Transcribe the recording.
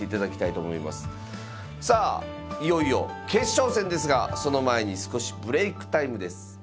いよいよ決勝戦ですがその前に少しブレークタイムです。